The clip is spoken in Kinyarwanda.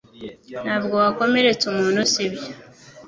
Ntabwo wakomeretsa umuntu sibyo